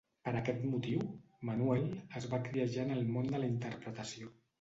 Per aquest motiu, Manuel es va criar ja en el món de la interpretació.